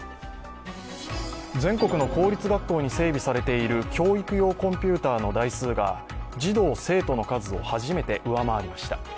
全国の公立学校に整備されている教育用コンピューターの台数が児童・生徒の数を初めて上回りました。